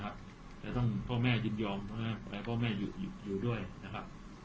โปรดติดตามตอนต่อมา